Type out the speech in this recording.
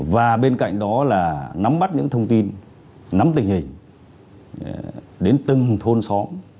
và bên cạnh đó là nắm bắt những thông tin nắm tình hình đến từng thôn xóm